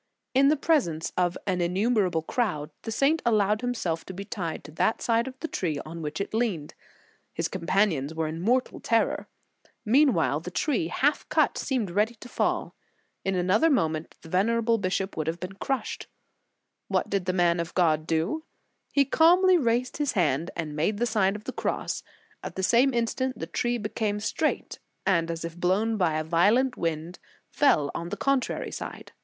In presence of an innumerable crowd, the saint allowed himself to be tied to that side of the tree on which it leaned. His com panions were in mortal terror. Meanwhile the tree, half cut, seemed ready to fall; in * Epiist. I. ad Euseb. presbyt., et vit. S. Martini, lib. x. 1 80 The Sign of the Cross another moment, the venerable bishop would have been crushed. What did the man of God do? He calmly raised his hand and made the Sign of the Cross. At the same instant the tree became straight, and as if blown by a violent wind, fell on the contrary side.